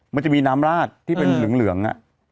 มันจะมีน้ำราดที่เป็นเหลือง